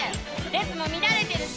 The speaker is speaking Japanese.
列も乱れてるし。